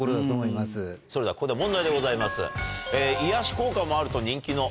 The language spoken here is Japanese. それではここで。